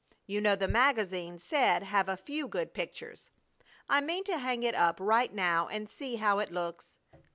You know the magazine said have 'a few good pictures.' I mean to hang it up right now and see how it looks!